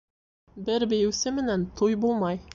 Бер бейеүсе менән туй булмай.